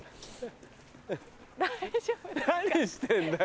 何してんだよ